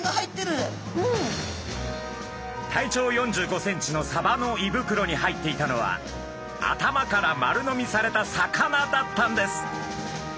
体長４５センチのサバのいぶくろに入っていたのは頭から丸飲みされた魚だったんです。